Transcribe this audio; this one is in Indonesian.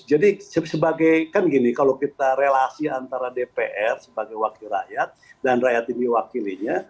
jadi kan gini kalau kita relasi antara dpr sebagai wakil rakyat dan rakyat ini wakilinya